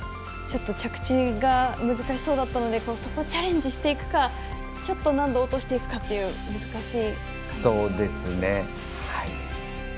着地が難しそうだったのでそこ、チャレンジしていくか難度を落としていくかという難しい感じですね。